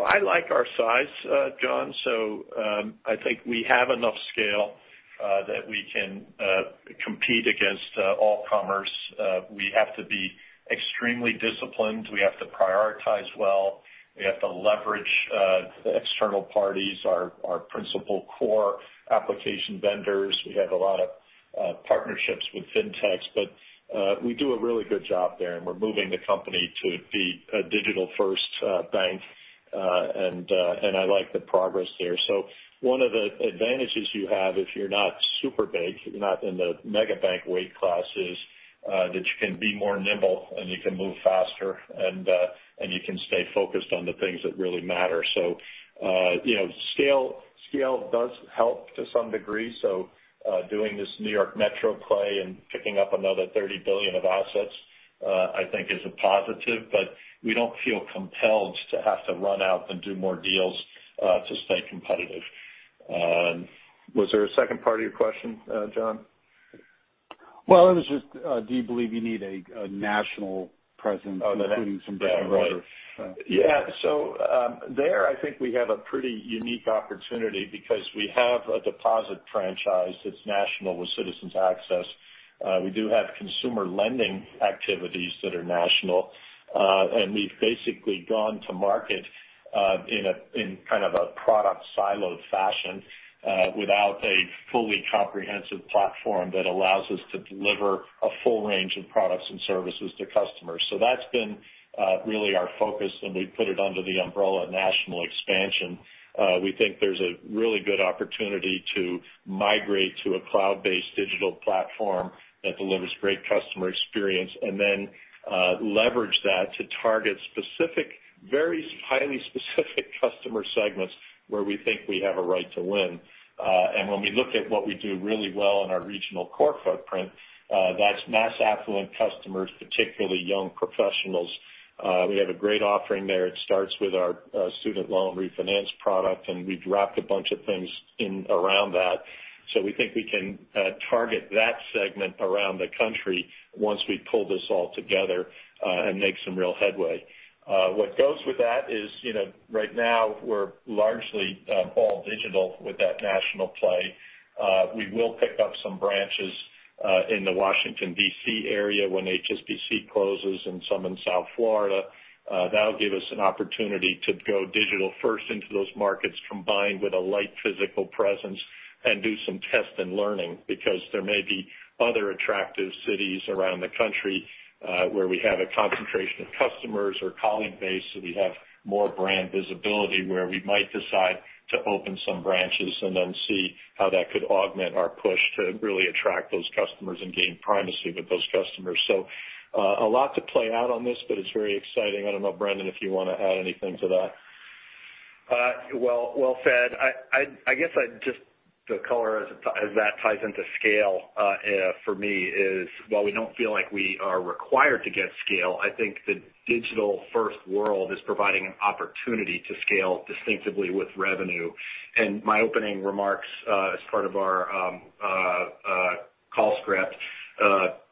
I like our size, John. I think we have enough scale that we can compete against all comers. We have to be extremely disciplined. We have to prioritize well. We have to leverage the external parties, our principal core application vendors. We have a lot of partnerships with fintechs, but we do a really good job there, and we're moving the company to be a digital-first bank. I like the progress there. One of the advantages you have if you're not super big, you're not in the mega bank weight class, is that you can be more nimble, and you can move faster, and you can stay focused on the things that really matter. You know, scale does help to some degree. Doing this New York Metro play and picking up another $30 billion of assets, I think is a positive. We don't feel compelled to have to run out and do more deals to stay competitive. Was there a second part of your question, John? Well, it was just, do you believe you need a national presence including some different? Yeah. There, I think we have a pretty unique opportunity because we have a deposit franchise that's national with Citizens Access. We do have consumer lending activities that are national. We've basically gone to market in kind of a product siloed fashion without a fully comprehensive platform that allows us to deliver a full range of products and services to customers. That's been really our focus, and we've put it under the umbrella of national expansion. We think there's a really good opportunity to migrate to a cloud-based digital platform that delivers great customer experience, and then leverage that to target specific, very highly specific customer segments where we think we have a right to win. When we look at what we do really well in our regional core footprint, that's mass affluent customers, particularly young professionals. We have a great offering there. It starts with our student loan refinance product, and we've wrapped a bunch of things in around that. We think we can target that segment around the country once we pull this all together, and make some real headway. What goes with that is, you know, right now we're largely all digital with that national play. We will pick up some branches in the Washington, D.C. area when HSBC closes and some in South Florida. That'll give us an opportunity to go digital first into those markets, combined with a light physical presence and do some test and learning because there may be other attractive cities around the country, where we have a concentration of customers or colleague base, so we have more brand visibility where we might decide to open some branches and then see how that could augment our push to really attract those customers and gain primacy with those customers. A lot to play out on this, but it's very exciting. I don't know, Brendan, if you wanna add anything to that. Well said. The color as it ties into scale, for me is while we don't feel like we are required to get scale, I think the digital first world is providing an opportunity to scale distinctively with revenue. My opening remarks, as part of our call script,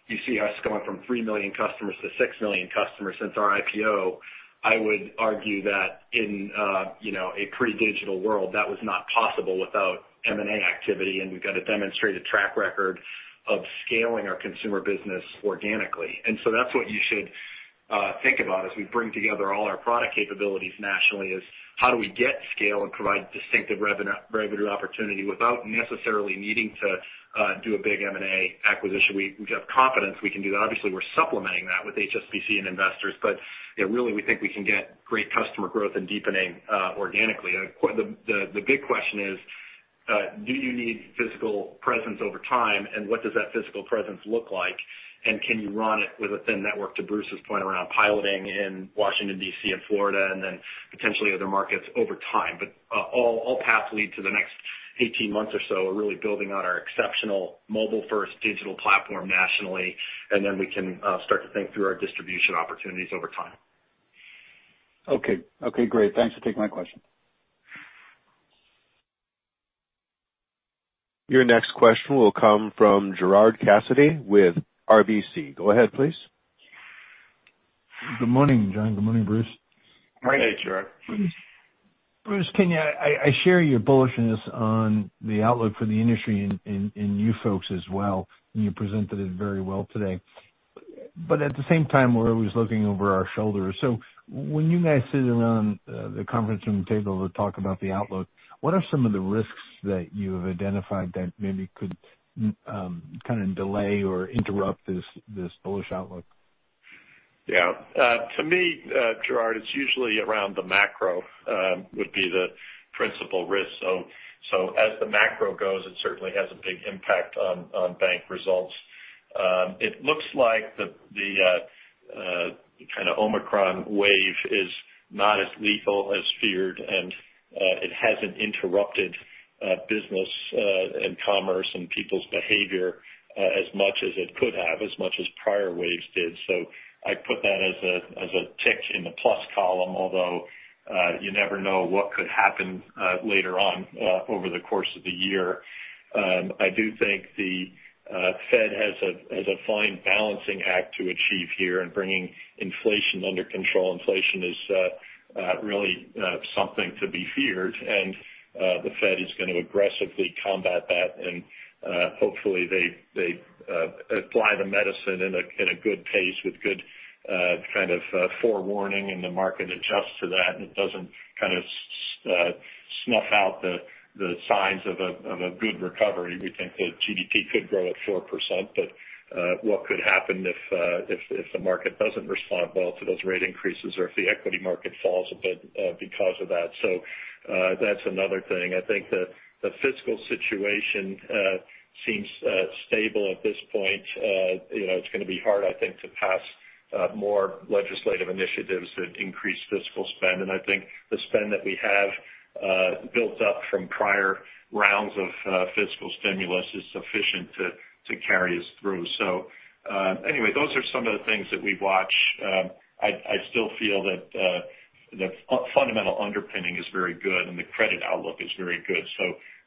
you see us going from 3 million customers to 6 million customers since our IPO. I would argue that in a pre-digital world, that was not possible without M&A activity, and we've got a demonstrated track record of scaling our consumer business organically. That's what you should think about as we bring together all our product capabilities nationally, is how do we get scale and provide distinctive revenue opportunity without necessarily needing to do a big M&A acquisition. We have confidence we can do that. Obviously, we're supplementing that with HSBC and Investors, but, you know, really we think we can get great customer growth and deepening organically. The big question is, do you need physical presence over time and what does that physical presence look like? Can you run it with a thin network, to Bruce's point, around piloting in Washington, D.C. and Florida and then potentially other markets over time. All paths lead to the next 18 months or so are really building on our exceptional mobile-first digital platform nationally, and then we can start to think through our distribution opportunities over time. Okay. Okay, great. Thanks for taking my question. Your next question will come from Gerard Cassidy with RBC. Go ahead, please. Good morning, John. Good morning, Bruce. Morning. Hey, Gerard. Bruce, I share your bullishness on the outlook for the industry and you folks as well, and you presented it very well today. At the same time, we're always looking over our shoulders. When you guys sit around the conference room table to talk about the outlook, what are some of the risks that you have identified that maybe could kind of delay or interrupt this bullish outlook? Yeah. To me, Gerard, it's usually around the macro would be the principal risk. As the macro goes, it certainly has a big impact on bank results. It looks like the kind of Omicron wave is not as lethal as feared and it hasn't interrupted business and commerce and people's behavior as much as it could have, as much as prior waves did. I put that as a tick in the plus column, although you never know what could happen later on over the course of the year. I do think the Fed has a fine balancing act to achieve here in bringing inflation under control. Inflation is really something to be feared and the Fed is gonna aggressively combat that. Hopefully they apply the medicine in a good pace with good kind of forewarning and the market adjusts to that, and it doesn't kind of snuff out the signs of a good recovery. We think that GDP could grow at 4%, but what could happen if the market doesn't respond well to those rate increases or if the equity market falls a bit because of that. That's another thing. I think the fiscal situation seems stable at this point. You know, it's gonna be hard, I think, to pass more legislative initiatives that increase fiscal spend. I think the spend that we have built up from prior rounds of fiscal stimulus is sufficient to carry us through. Anyway, those are some of the things that we watch. I still feel that the fundamental underpinning is very good and the credit outlook is very good.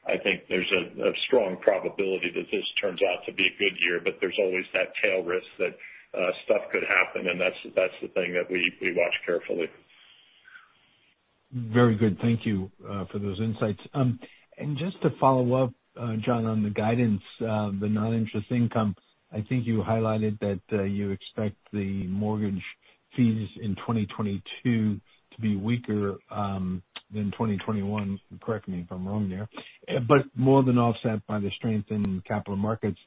I think there's a strong probability that this turns out to be a good year, but there's always that tail risk that stuff could happen, and that's the thing that we watch carefully. Very good. Thank you for those insights. Just to follow up, John, on the guidance, the non-interest income, I think you highlighted that you expect the mortgage fees in 2022 to be weaker than 2021. Correct me if I'm wrong there. More than offset by the strength in capital markets.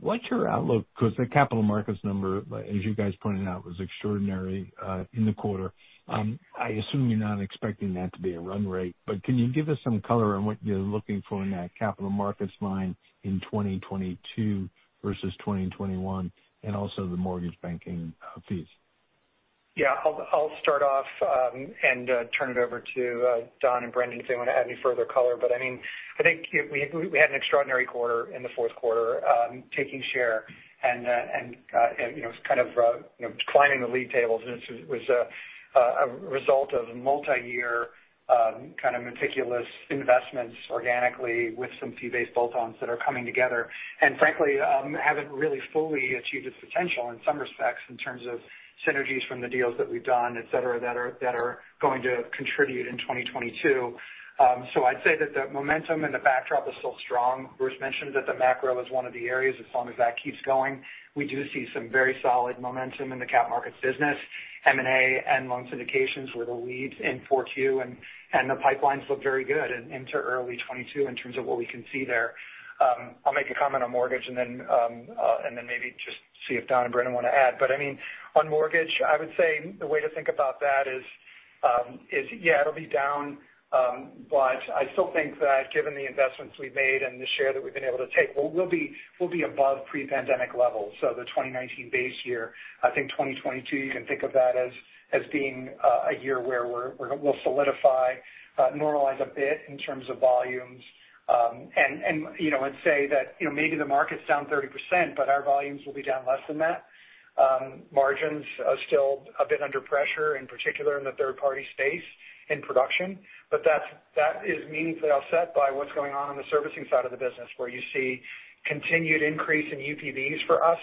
What's your outlook? Because the capital markets number, as you guys pointed out, was extraordinary in the quarter. I assume you're not expecting that to be a run rate, but can you give us some color on what you're looking for in that capital markets line in 2022 versus 2021, and also the mortgage banking fees? Yeah. I'll start off and turn it over to Don and Brendan if they want to add any further color. I mean, I think we had an extraordinary quarter in the fourth quarter, taking share. You know, it's kind of, you know, climbing the league tables, and it was a result of multiyear kind of meticulous investments organically with some fee-based bolt-ons that are coming together. Frankly, haven't really fully achieved its potential in some respects in terms of synergies from the deals that we've done, et cetera, that are going to contribute in 2022. I'd say that the momentum and the backdrop is still strong. Bruce mentioned that the macro is one of the areas. As long as that keeps going, we do see some very solid momentum in the capital markets business, M&A and loan syndications were the leads in 4Q, and the pipelines look very good into early 2022 in terms of what we can see there. I'll make a comment on mortgage and then maybe just see if Don and Brendan want to add. I mean, on mortgage, I would say the way to think about that is, it'll be down. I still think that given the investments we've made and the share that we've been able to take, we'll be above pre-pandemic levels. So the 2019 base year. I think 2022, you can think of that as being a year where we'll solidify, normalize a bit in terms of volumes. And, you know, say that, you know, maybe the market's down 30%, but our volumes will be down less than that. Margins are still a bit under pressure, in particular in the third party space in production. That is meaningfully offset by what's going on in the servicing side of the business, where you see continued increase in UPBs for us.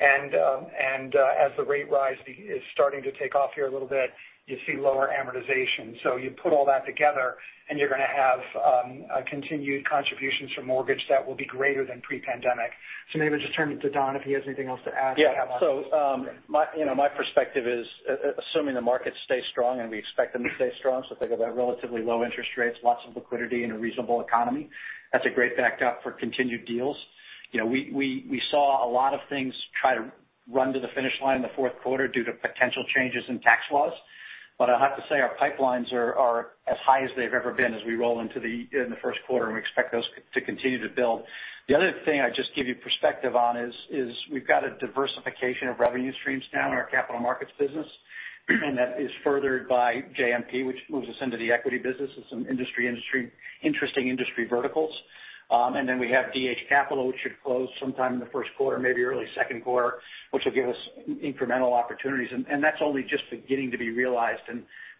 As the rate rise is starting to take off here a little bit, you see lower amortization. You put all that together, and you're going to have continued contributions from mortgage that will be greater than pre-pandemic. Maybe just turn it to Don if he has anything else to add. Yeah. My perspective is assuming the markets stay strong, and we expect them to stay strong. Think about relatively low interest rates, lots of liquidity, and a reasonable economy. That's a great backup for continued deals. You know, we saw a lot of things try to run to the finish line in the fourth quarter due to potential changes in tax laws. I have to say, our pipelines are as high as they've ever been as we roll into the first quarter, and we expect those to continue to build. The other thing I'd just give you perspective on is we've got a diversification of revenue streams now in our capital markets business, and that is furthered by JMP, which moves us into the equity business and some interesting industry verticals. Then we have DH Capital, which should close sometime in the first quarter, maybe early second quarter, which will give us incremental opportunities. That's only just beginning to be realized.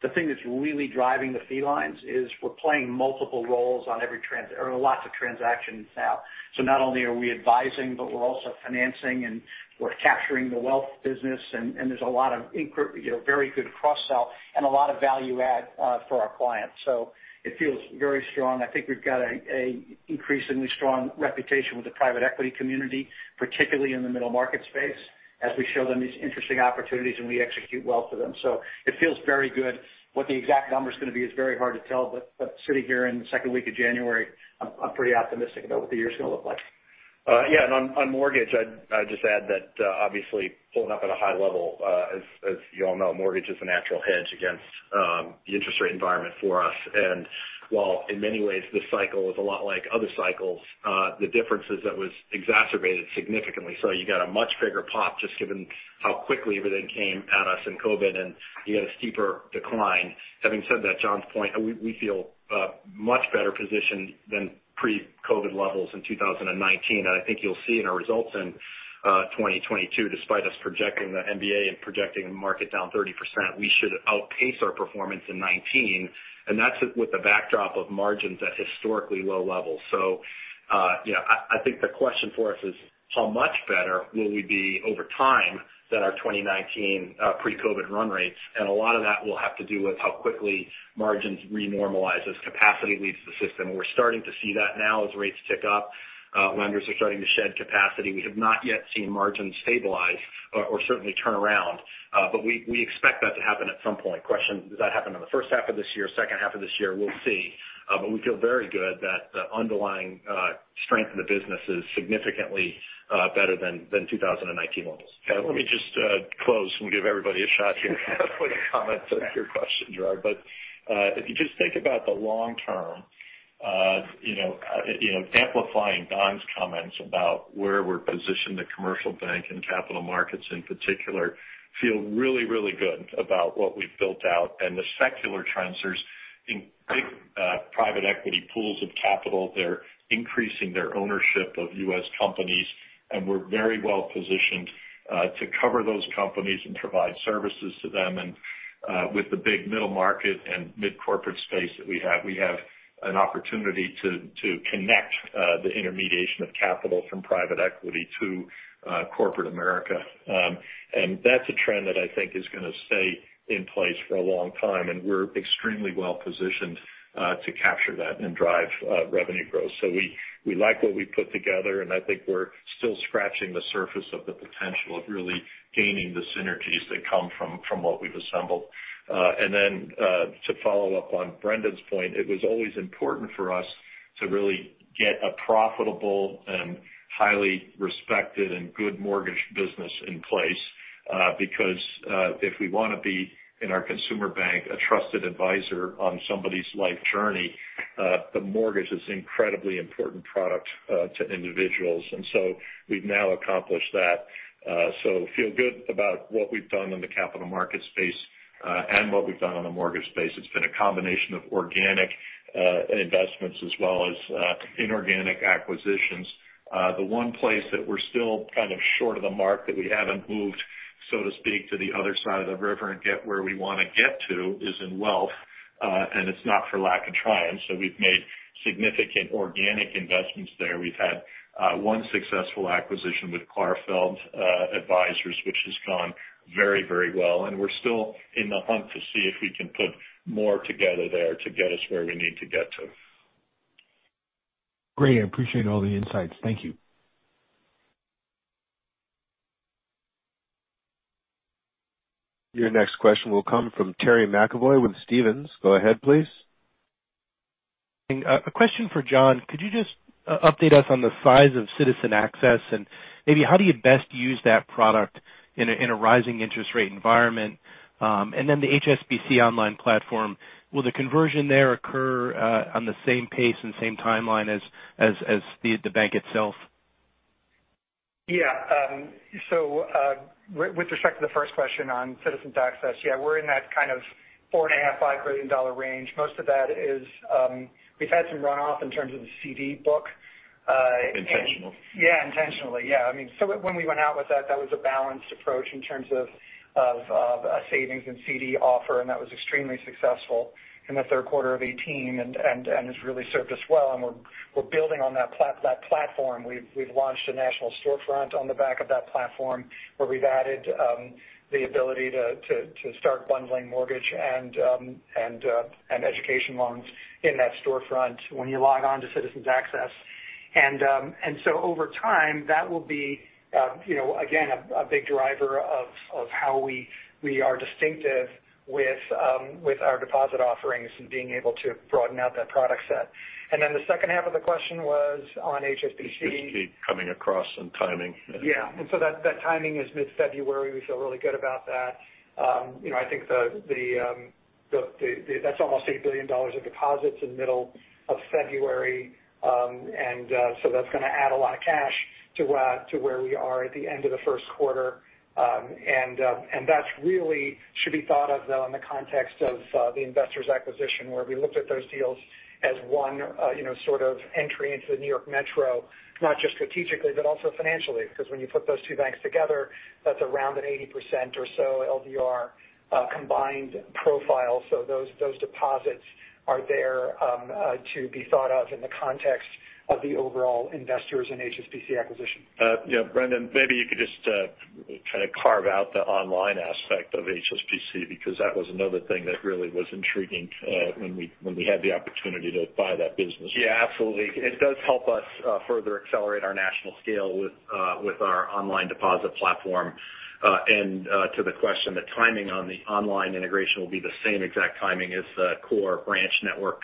The thing that's really driving the fee lines is we're playing multiple roles on every transaction or lots of transactions now. Not only are we advising, but we're also financing, and we're capturing the wealth business. There's a lot of incremental, you know, very good cross-sell and a lot of value-add for our clients. It feels very strong. I think we've got an increasingly strong reputation with the private equity community, particularly in the middle market space, as we show them these interesting opportunities and we execute well for them. It feels very good. What the exact number is going to be is very hard to tell. Sitting here in the second week of January, I'm pretty optimistic about what the year is going to look like. On mortgage, I'd just add that, obviously, at a high level, as you all know, mortgage is a natural hedge against the interest rate environment for us. While in many ways this cycle is a lot like other cycles, the difference is that it was exacerbated significantly. You got a much bigger pop just given how quickly everything came at us in COVID, and you got a steeper decline. Having said that, John's point, we feel much better positioned than pre-COVID levels in 2019. I think you'll see in our results in 2022, despite us and the MBA projecting the market down 30%, we should outpace our performance in 2019, and that's with the backdrop of margins at historically low levels. You know, I think the question for us is how much better will we be over time than our 2019 pre-COVID run rates? A lot of that will have to do with how quickly margins re-normalize as capacity leaves the system. We're starting to see that now as rates tick up. Lenders are starting to shed capacity. We have not yet seen margins stabilize or certainly turn around. But we expect that to happen at some point. Question, does that happen in the first half of this year, second half of this year? We'll see. But we feel very good that the underlying strength in the business is significantly better than 2019 levels. Let me just close and give everybody a shot here for the comments to your question, Gerard. If you just think about the long term, you know, you know, amplifying Don's comments about where we're positioned, the commercial bank and capital markets in particular feel really, really good about what we've built out and the secular transfers in big private equity pools of capital. They're increasing their ownership of U.S. companies, and we're very well positioned to cover those companies and provide services to them. With the big middle market and mid corporate space that we have, we have an opportunity to connect the intermediation of capital from private equity to corporate America. That's a trend that I think is going to stay in place for a long time, and we're extremely well positioned to capture that and drive revenue growth. We like what we put together, and I think we're still scratching the surface of the potential of really gaining the synergies that come from what we've assembled. To follow up on Brendan's point, it was always important for us to really get a profitable and highly respected and good mortgage business in place because if we want to be, in our consumer bank, a trusted advisor on somebody's life journey, the mortgage is incredibly important product to individuals. We've now accomplished that. Feel good about what we've done in the capital market space and what we've done on the mortgage space. It's been a combination of organic. In investments as well as inorganic acquisitions. The one place that we're still kind of short of the mark that we haven't moved, so to speak, to the other side of the river and get where we wanna get to is in wealth. It's not for lack of trying. We've made significant organic investments there. We've had one successful acquisition with Clarfeld Advisors, which has gone very, very well. We're still in the hunt to see if we can put more together there to get us where we need to get to. Great. I appreciate all the insights. Thank you. Your next question will come from Terry McEvoy with Stephens. Go ahead, please. A question for John. Could you just update us on the size of Citizens Access? Maybe how do you best use that product in a rising interest rate environment? Then the HSBC online platform, will the conversion there occur on the same pace and same timeline as the bank itself? Yeah. With respect to the first question on Citizens Access, yeah, we're in that kind of $4.5 billion-$5 billion range. Most of that is we've had some runoff in terms of the CD book. Intentional. Yeah, intentionally. Yeah. I mean, so when we went out with that was a balanced approach in terms of of a savings and CD offer, and that was extremely successful in the third quarter of 2018 and has really served us well. We're building on that platform. We've launched a national storefront on the back of that platform, where we've added the ability to start bundling mortgage and education loans in that storefront when you log on to Citizens Access. Over time, that will be, you know, again, a big driver of how we are distinctive with our deposit offerings and being able to broaden out that product set. The second half of the question was on HSBC. HSBC coming across and timing. Yeah. That timing is mid-February. We feel really good about that. I think that's almost $8 billion of deposits in the middle of February. That's gonna add a lot of cash to where we are at the end of the first quarter. That really should be thought of though in the context of the Investors acquisition where we looked at those deals as one sort of entry into the New York Metro, not just strategically, but also financially. Because when you put those two banks together, that's around an 80% or so LDR combined profile. Those deposits are there to be thought of in the context of the overall Investors and HSBC acquisition. Yeah, Brendan, maybe you could just kind of carve out the online aspect of HSBC, because that was another thing that really was intriguing when we had the opportunity to buy that business. Yeah, absolutely. It does help us further accelerate our national scale with our online deposit platform. To the question, the timing on the online integration will be the same exact timing as the core branch network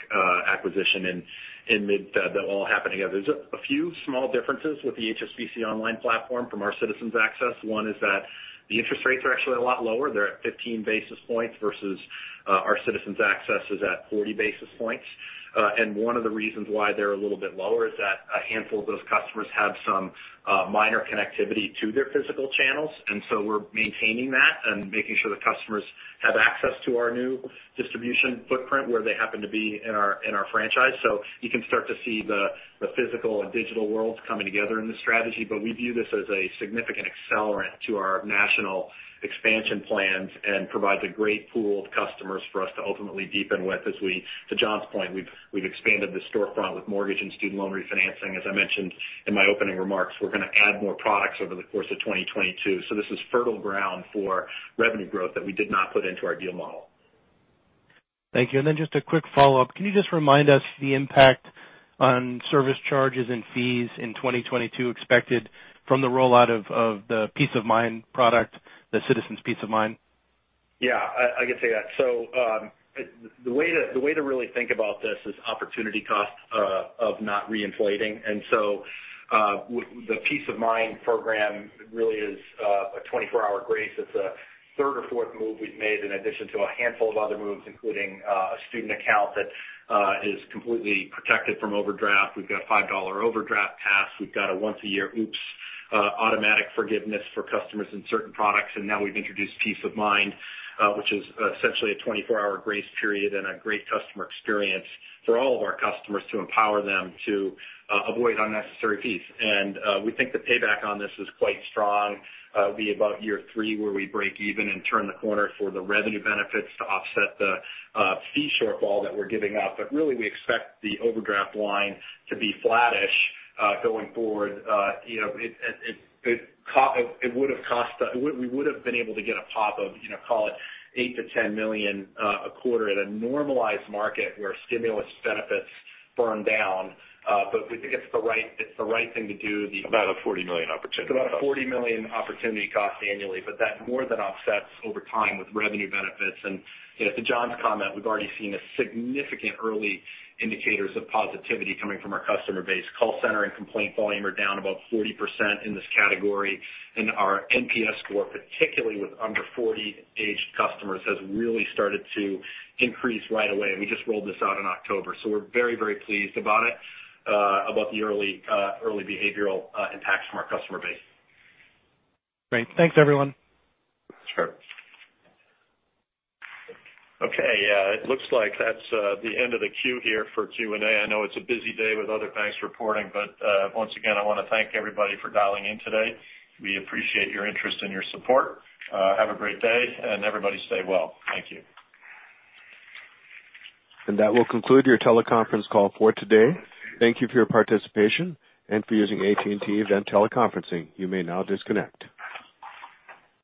acquisition in mid-February. That will all happen together. There's a few small differences with the HSBC online platform from our Citizens Access. One is that the interest rates are actually a lot lower. They're at 15 basis points versus our Citizens Access is at 40 basis points. One of the reasons why they're a little bit lower is that a handful of those customers have some minor connectivity to their physical channels. We're maintaining that and making sure the customers have access to our new distribution footprint where they happen to be in our franchise. You can start to see the physical and digital worlds coming together in this strategy. We view this as a significant accelerant to our national expansion plans and provides a great pool of customers for us to ultimately deepen with as we, to John's point, we've expanded the storefront with mortgage and student loan refinancing. As I mentioned in my opening remarks, we're gonna add more products over the course of 2022. This is fertile ground for revenue growth that we did not put into our deal model. Thank you. Just a quick follow-up. Can you just remind us the impact on service charges and fees in 2022 expected from the rollout of the Peace of Mind product, the Citizens Peace of Mind? Yeah, I can say that. The way to really think about this is opportunity cost of not reinflating. The Peace of Mind program really is a 24-hour grace. It's a third or fourth move we've made in addition to a handful of other moves, including a student account that is completely protected from overdraft. We've got a $5 overdraft pass. We've got a once a year oops automatic forgiveness for customers in certain products. Now we've introduced Peace of Mind, which is essentially a 24-hour grace period and a great customer experience for all of our customers to empower them to avoid unnecessary fees. We think the payback on this is quite strong. It'll be about year three where we break even and turn the corner for the revenue benefits to offset the fee shortfall that we're giving up. Really we expect the overdraft line to be flattish going forward. You know, it would have cost, we would've been able to get a pop of, you know, call it $8 million-$10 million a quarter at a normalized market where stimulus benefits burn down. We think it's the right thing to do. About a $40 million opportunity. About a $40 million opportunity cost annually, but that more than offsets over time with revenue benefits. You know, to John's comment, we've already seen a significant early indicators of positivity coming from our customer base. Call center and complaint volume are down about 40% in this category. Our NPS score, particularly with under 40-aged customers, has really started to increase right away. We just rolled this out in October. We're very, very pleased about it, about the early behavioral impact from our customer base. Great. Thanks, everyone. Sure. Okay. It looks like that's the end of the queue here for Q&A. I know it's a busy day with other banks reporting, but once again, I wanna thank everybody for dialing in today. We appreciate your interest and your support. Have a great day, and everybody stay well. Thank you. That will conclude your teleconference call for today. Thank you for your participation and for using AT&T Event Teleconferencing. You may now disconnect.